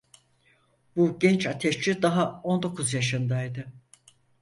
Bu genç ateşçi daha on dokuz yaşındaydı.